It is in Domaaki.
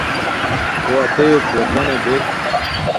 ہݸ اتݵَک وطَنݳ دݵک.